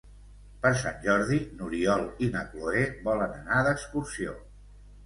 Per Sant Jordi n'Oriol i na Cloè volen anar d'excursió.